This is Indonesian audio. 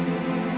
aku mau ke kamar